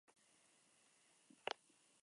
El director musical de la cual fue Stuart Price.